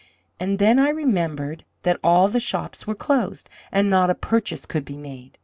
And then I remembered that all the shops were closed, and not a purchase could be made.